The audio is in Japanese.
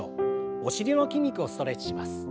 お尻の筋肉をストレッチします。